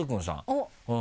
おっ！